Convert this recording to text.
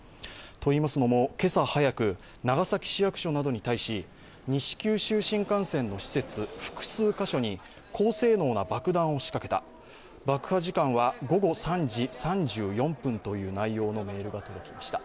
といいますのも、今朝早く、長崎市役所などに対し、西九州新幹線の施設複数箇所に高性能な爆弾を仕掛けた、爆破時間は午後３時３４分という内容のメールが届きました。